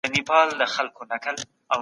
مال او عزت بايد خوندي وي.